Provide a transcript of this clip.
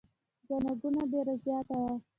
ګڼه ګوڼه ډېره زیاته وه.